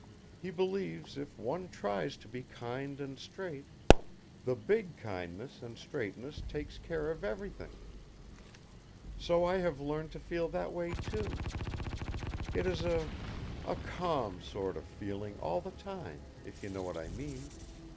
He believes if one tries to be kind and straight, the big Kindness and Straightness takes care of everything. So I have learned to feel that way, too. It is a a calm sort of feeling all the time, if you know what I mean.